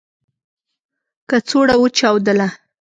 کڅوړه و چاودله .